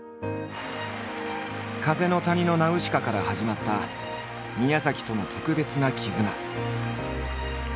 「風の谷のナウシカ」から始まった宮との特別な絆。